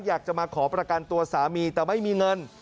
อยากจะมาขอประกันตัวสามีแต่ไม่มีเงิน